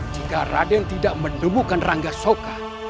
jika raden tidak menemukan rangga soka